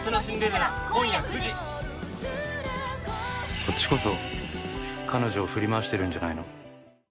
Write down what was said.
「そっちこそ彼女を振り回してるんじゃないの？」